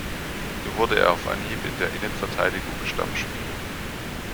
Hier wurde er auf Anhieb in der Innenverteidigung Stammspieler.